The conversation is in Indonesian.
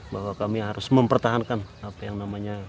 bahwa kami harus mempertahankan apa yang namanya